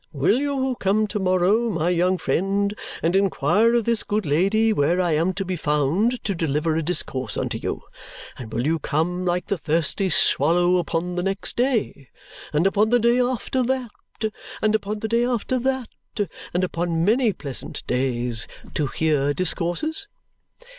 Will you come to morrow, my young friend, and inquire of this good lady where I am to be found to deliver a discourse unto you, and will you come like the thirsty swallow upon the next day, and upon the day after that, and upon the day after that, and upon many pleasant days, to hear discourses?"